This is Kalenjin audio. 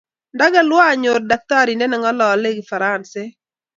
ndakelwa anyor daktarindet nengalalei kifaransaek